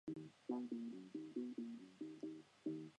这幅画作对于各种形态的几乎正确描绘性使其负有盛名。